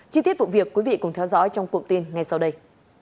chi tiết vụ việc quý vị cùng theo dõi trong cụm tin ngay sau đây